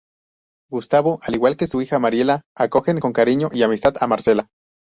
Gustavo al igual que su hija Mariela, acogen con cariño y amistad a Marcela.